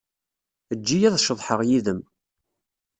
Eǧǧ-iyi ad ceḍḥeɣ yid-m.